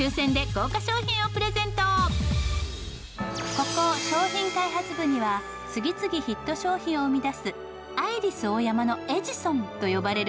ここ商品開発部には次々ヒット商品を生み出す「アイリスオーヤマのエジソン」と呼ばれる開発者がいるそう。